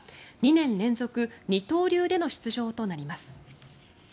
２年連続二刀流での出場となります。